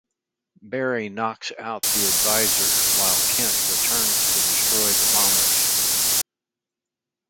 Barry knocks out the Advisor while Kent returns to destroy the bombers.